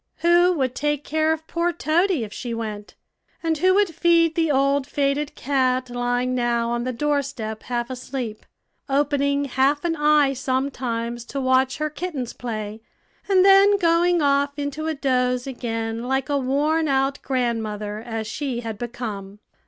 Who would take care of poor Toady if she went? and who would feed the old faded cat lying now on the doorstep half asleep, opening half an eye sometimes to watch her kittens play, and then going off into a doze again like a worn out grandmother, as she had become.